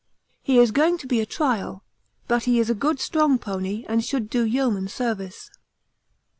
He is going to be a trial, but he is a good strong pony and should do yeoman service.